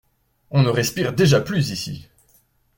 On ne respire déjà plus ici.